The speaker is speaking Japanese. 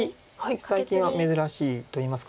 最近は珍しいといいますか。